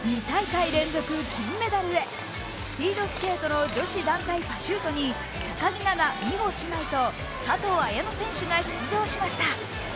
２大会連続金メダルへスピードスケート女子団体パシュートに高木菜那・美帆姉妹と佐藤綾乃選手が出場しました。